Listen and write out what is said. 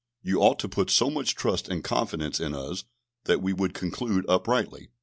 You ought to put so much trust and confidence in us, that we would conclude uprightly."